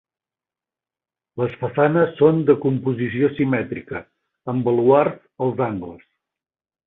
Les façanes són de composició simètrica, amb baluards als angles.